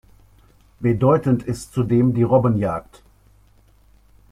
Bedeutend ist zudem die Robbenjagd.